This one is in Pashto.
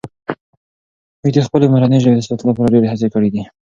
موږ د خپلې مورنۍ ژبې د ساتلو لپاره ډېرې هڅې کړي دي.